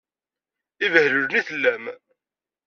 D ibehlulen i tellam.